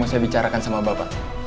saya bicarakan sama bapak